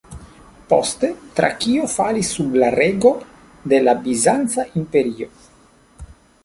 Poste, Trakio falis sub la rego de la Bizanca Imperio.